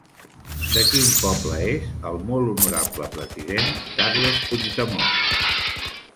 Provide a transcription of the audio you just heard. De quin poble és Puigdemont?